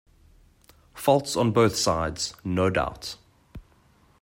Faults on both sides, no doubt.